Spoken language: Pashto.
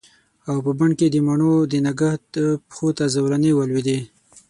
او په بڼ کې د مڼو د نګهت پښو ته زولنې ولویدې